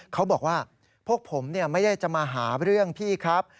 เขาบอกว่าพวกผมไม่ได้จะมาหาเรื่องพี่ครับ